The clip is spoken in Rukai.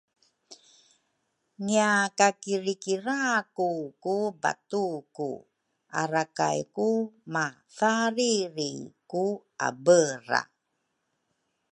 ngiakakirikiraku ku batuku arakay ku mathariri ku abera.